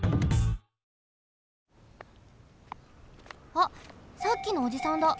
あっさっきのおじさんだ。